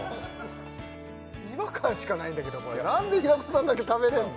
違和感しかないんだけど何で平子さんだけ食べれんの？